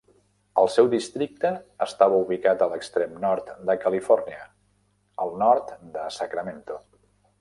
El seu districte estava ubicat a l'extrem nord de Califòrnia, al nord de Sacramento.